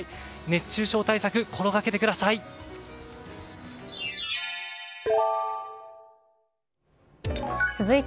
熱中症対策、心がけてください。